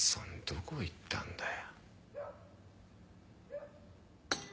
どこ行ったんだよ。